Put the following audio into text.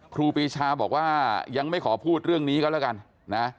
ครูปีชาบอกว่ายังไม่ขอพูดเรื่องนี้ก็แล้วกันนะ